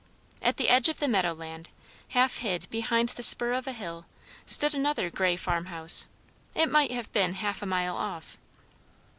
At the edge of the meadow land, half hid behind the spur of a hill, stood another grey farm house; it might have been half a mile off.